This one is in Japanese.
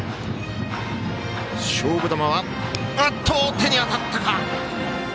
手に当たったか。